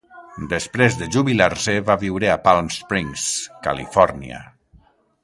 Després de jubilar-se va viure a Palm Springs, Califòrnia.